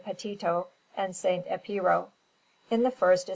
Petito and S. Epiro. In the first is S.